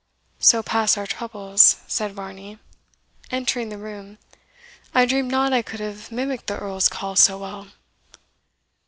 "So pass our troubles," said Varney, entering the room; "I dreamed not I could have mimicked the Earl's call so well."